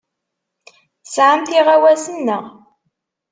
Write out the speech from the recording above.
Tesɛamt iɣawasen, naɣ?